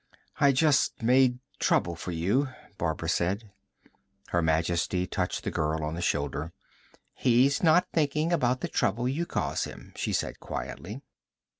"I just made trouble for you," Barbara said. Her Majesty touched the girl on the shoulder. "He's not thinking about the trouble you cause him," she said quietly.